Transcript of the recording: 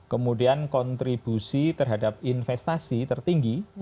kemudian kontribusi terhadap investasi tertinggi